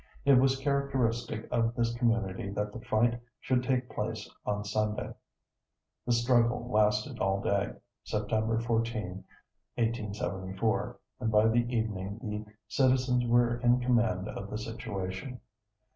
It was characteristic of this community that the fight should take place on Sunday. The struggle lasted all day, September 14, 1874, and by evening the citizens were in command of the situation.